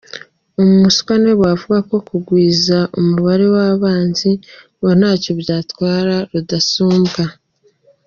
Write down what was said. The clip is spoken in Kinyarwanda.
Umuswa niwe wavuga ko kugwiza umubare w’abanzi ngo ntacyo byatwara rudasumbwa.